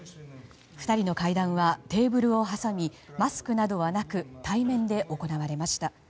２人の会談はテーブルを挟みマスクなどはなく対面で行われました。